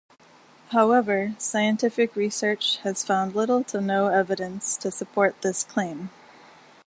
However, scientific research has found little to no evidence to support this claim.